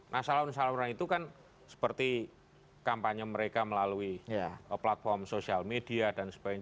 nah saluran saluran itu kan seperti kampanye mereka melalui platform sosial media dan sebagainya